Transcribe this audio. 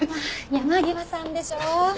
「山際さん」でしょ。